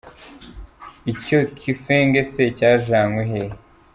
Icyo kifenge se cyajyanywe hehe ???.